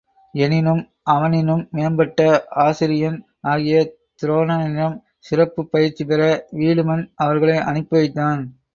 எனினும் அவனினும் மேம்பட்ட ஆசிரியன் ஆகிய துரோணனிடம் சிறப்புப் பயிற்சிபெற வீடுமன் அவர்களை அனுப்பி வைத்தான்.